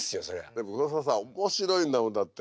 でも黒澤さん面白いんだもんだって。